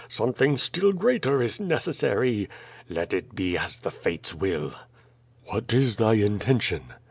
Something still greater is necessary. Let it be as the fates will." What is thy intention?"